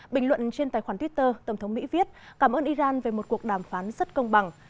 bình luận trên tài khoản twitter tổng thống mỹ viết cảm ơn iran về một cuộc đàm phán rất công bằng